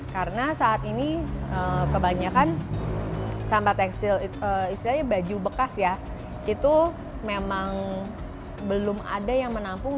karena saat ini kebanyakan sampah tekstil istilahnya baju bekas ya itu memang belum ada yang menampung